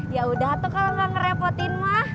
yaudah tuh kalo gak kerepotin mah